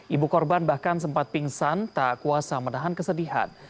ibu korban bahkan sempat pingsan tak kuasa menahan kesedihan